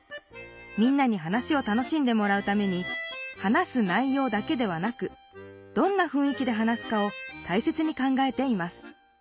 みんなに話を楽しんでもらうために話す内ようだけではなくどんなふんい気で話すかを大切に考えていますＬｉＬｉＣｏ